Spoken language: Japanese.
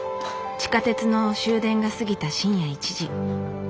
地下鉄の終電が過ぎた深夜１時。